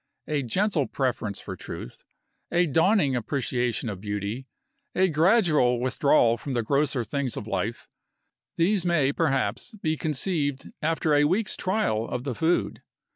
A gentle preference for truth, a dawning appreciation of beauty, a gradual withdrawal from the grosser things of life these may, perhaps, be conceived after a week's trial of the food.